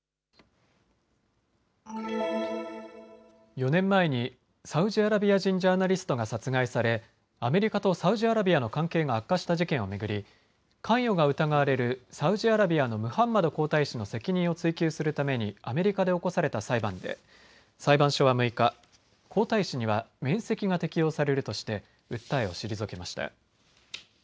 ４年前にサウジアラビア人ジャーナリストが殺害されアメリカとサウジアラビアの関係が悪化した事件を巡り、関与が疑われるサウジアラビアのムハンマド皇太子の責任を追及するためにアメリカで起こされた裁判で裁判所は６日、皇太子には免責が適用されるとして訴えを退けました。